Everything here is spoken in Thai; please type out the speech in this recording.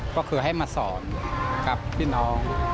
ก็คือให้มาสอนกับพี่น้อง